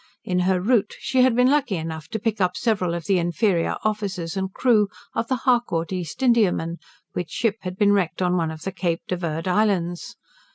In her route, she had been lucky enough to pick up several of the inferior officers and crew of the Harcourt East Indiaman, which ship had been wrecked on one of the Cape de Verd Islands.